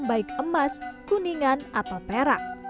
baik emas kuningan atau perak